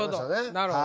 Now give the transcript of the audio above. なるほど。